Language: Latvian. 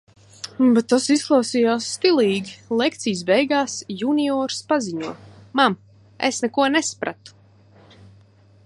Bet tas izklausījās stilīgi. Lekcijas beigās, juniors paziņo: Mam, es neko nesapratu.